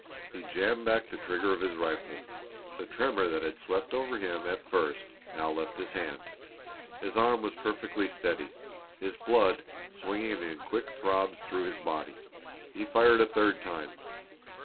He jammed back the trigger of his rifle. The tremor that had swept over him at first now left his hand. His arm was perfectly steady, his blood swinging in quick throbs through his body. He fired a third time.